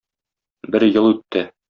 Бер ел үтте.